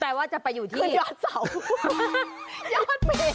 แปลว่าจะไปอยู่ที่ยอดเมฆ